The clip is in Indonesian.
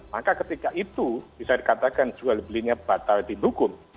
maka ketika itu bisa dikatakan jual belinya batal dihukum